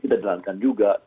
tidak dilakukan juga